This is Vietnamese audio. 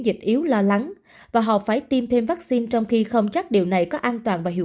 dịch yếu lo lắng và họ phải tiêm thêm vaccine trong khi không chắc điều này có an toàn và hiệu